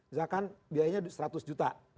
misalkan biayanya seratus juta